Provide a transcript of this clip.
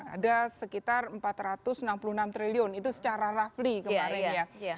ada sekitar empat ratus enam puluh enam triliun itu secara rafli kemarin ya